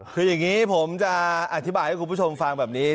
คืออย่างนี้ผมจะอธิบายให้คุณผู้ชมฟังแบบนี้